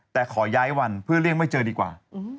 แต่ขอย้ายวันเพื่อเลี่ยงไม่เจอดีกว่า